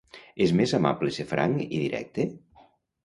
És més amable ser franc i directe?